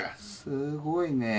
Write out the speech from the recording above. すごいね。